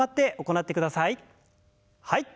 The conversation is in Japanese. はい。